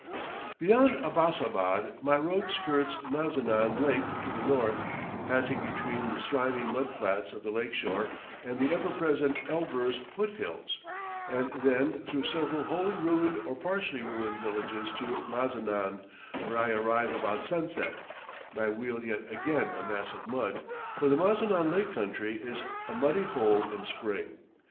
Beyond Abbasabad my road skirts Mazinan Lake to the north, passing between the slimy mud flats of the lake shore and the ever present Elburz foot hills, and then through several wholly ruined or partially ruined villages to Mazinan, where I arrive about sunset, my wheel yet again a mass of mud, for the Mazinan lake country is a muddy hole in spring.